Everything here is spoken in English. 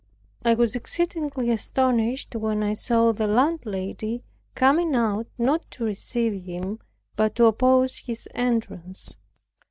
I was exceedingly astonished when I saw the landlady coming out not to receive him, but to oppose his entrance.